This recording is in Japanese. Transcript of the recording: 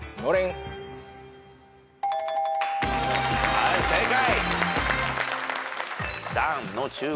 はい正解。